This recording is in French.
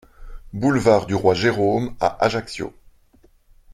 Boulevard du Roi Jérôme à Ajaccio